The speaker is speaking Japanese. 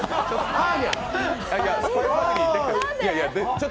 アーニャ！